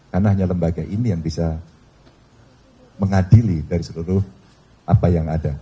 karena hanya lembaga ini yang bisa mengadili dari seluruh apa yang ada